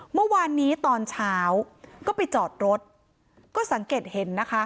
เมื่อวานนี้ตอนเช้าก็ไปจอดรถก็สังเกตเห็นนะคะ